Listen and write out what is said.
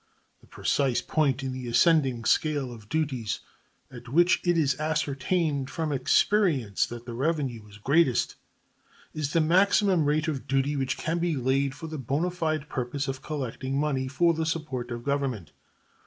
The precise point in the ascending scale of duties at which it is ascertained from experience that the revenue is greatest is the maximum rate of duty which can be laid for the bona fide purpose of collecting money for the support of Government.